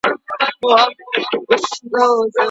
حرام شیان ولي منع دي؟